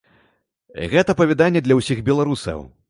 Гэта апавяданне для ўсіх беларусаў.